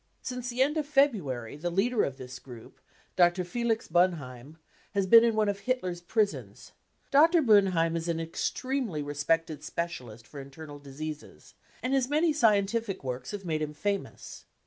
Since the end of February the leader of this group, Dr. Felix Boenheim, has been in one of Hitler's prisons. Dr. Boenheim is an extremely respected specialist for internal diseases, and his many scientific works have made him famous.